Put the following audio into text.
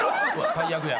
最悪や。